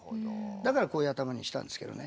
だからこういう頭にしたんですけどね。